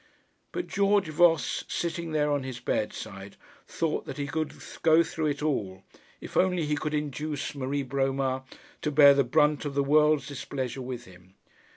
But George Voss, sitting there on his bedside, thought that he could go through it all, if only he could induce Marie Bromar to bear the brunt of the world's displeasure with him.